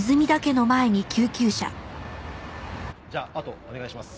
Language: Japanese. じゃああとお願いします。